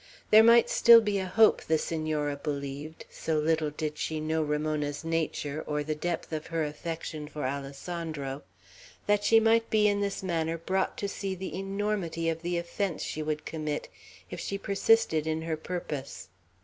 There might still be a hope, the Senora believed, so little did she know Ramona's nature, or the depth of her affection for Alessandro, that she might be in this manner brought to see the enormity of the offence she would commit if she persisted in her purpose.